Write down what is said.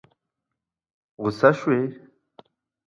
غوسه شوې؟